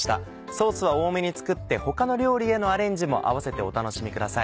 ソースは多めに作って他の料理へのアレンジも合わせてお楽しみください。